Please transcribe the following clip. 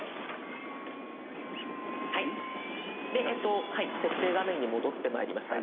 はいで設定画面に戻ってまいりました。